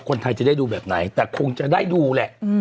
คนไทยจะได้ดูแบบไหนแต่คงจะได้ดูแหละ